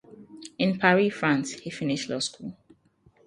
In Paris, France he finished law school.